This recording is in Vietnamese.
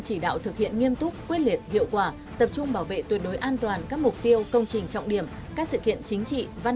xin chào các bạn